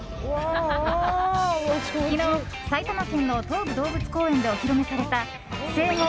昨日、埼玉県の東武動物公園でお披露目された生後